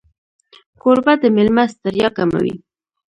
کوربه د مېلمه ستړیا کموي.